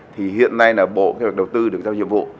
thì hiện nay là bộ kế hoạch đầu tư được giao nhiệm vụ